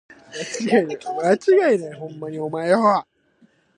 何物もない空間が、無辺際に広がっている様子の形容。「縹渺」は広々としている様。遠くはるかに見えるさま。